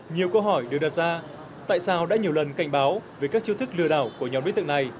nhiều câu hỏi được đặt ra tại sao đã nhiều lần cảnh báo về các chiêu thức lừa đảo của nhóm đối tượng này